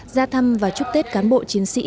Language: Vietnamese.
gia thăm và chúc tết cán bộ chiến sĩ